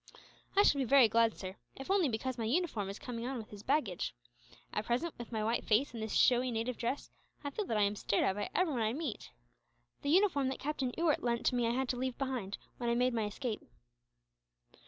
"I shall be very glad, sir, if only because my uniform is coming on with his baggage. At present, with my white face and this showy native dress, I feel that I am stared at by everyone I meet. The uniform that Captain Ewart lent me I had to leave behind, when I made my escape."